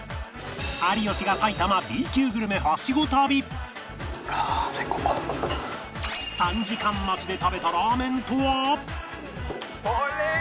有吉が埼玉 Ｂ 級グルメハシゴ旅３時間待ちで食べたラーメンとは？